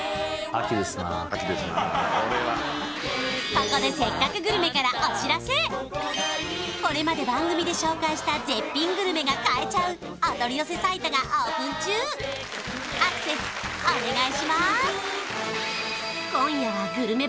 ここでこれまで番組で紹介した絶品グルメが買えちゃうお取り寄せサイトがオープン中アクセスお願いします！